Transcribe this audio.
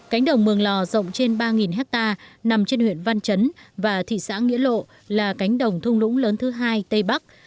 cánh đồng mường lò rộng trên ba hectare nằm trên huyện văn chấn và thị xã nghĩa lộ là cánh đồng thung lũng lớn thứ hai tây bắc